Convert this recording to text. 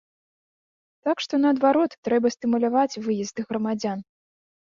Так што, наадварот, трэба стымуляваць выезд грамадзян.